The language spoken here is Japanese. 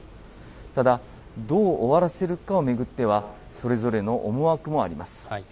ただ、どう終わらせるかを巡っては、それぞれの思惑もあります。